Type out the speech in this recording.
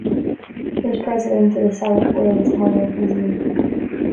He is President of the South Wales Miners' Museum.